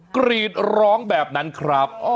กรีดร้องแบบนั้นครับ